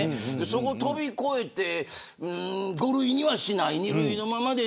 そこを飛び越えて５類にはしない２類のままで。